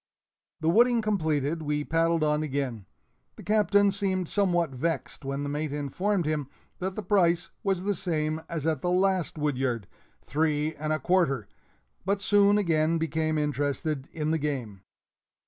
The wooding completed, we paddled on again. The Captain seemed somewhat vexed when the mate informed him that the price was the same as at the last woodyard three and a quarter; but soon again became interested in the game.